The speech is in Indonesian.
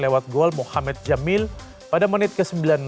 lewat gol mohamed jamil pada menit ke sembilan belas